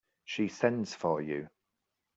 She sends for you.